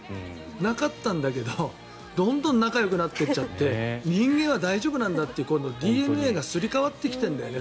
なかったんだけど、どんどん仲よくなっていっちゃって人間は大丈夫なんだってＤＮＡがすり替わってきているんだよね